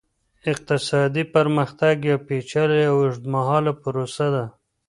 اقتصادي پرمختيا يوه پېچلې او اوږدمهاله پروسه ده.